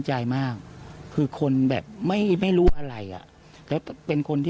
จะโดนลูกหลง